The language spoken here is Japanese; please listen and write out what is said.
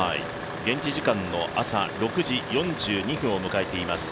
現地時間の朝６時４２分を迎えています。